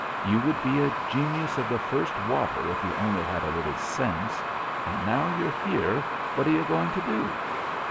You would be a genius of the first water if you only had a little sense. And now you're here, what are you going to do?"